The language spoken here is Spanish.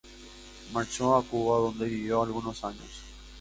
Marchó a Cuba, donde vivió algunos años.